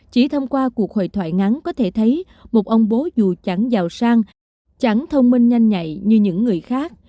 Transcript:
chỉ thông qua cuộc hội thoại ngắn có thể thấy một ông bố dù chẳng vào sang chẳng thông minh nhanh nhạy như những người khác